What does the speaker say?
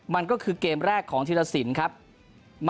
มันก็คือเกมแรกของทีลสินครับมันมีความเปลี่ยนเปลี่ยนตรงที่ว่า